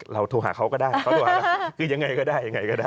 เราโทรหาเขาก็ได้คือยังไงก็ได้